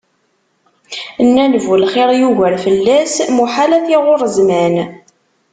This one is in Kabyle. Nnan bu lxir yugar fell-as, muḥal ad t-iɣurr zzman.